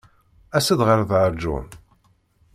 As-d ɣer da a John.